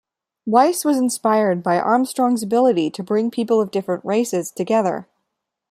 Weiss was inspired by Armstrong's ability to bring people of different races together.